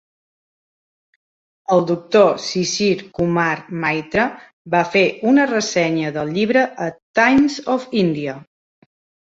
El Dr. Sisir Kumar Maitra va fer una ressenya del llibre a 'Times of India'.